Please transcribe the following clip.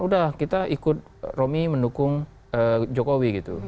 udah kita ikut romi mendukung jokowi gitu